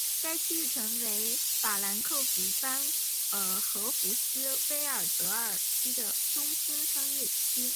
该区域成为法兰克福班荷福斯威尔德尔区的中心商业区。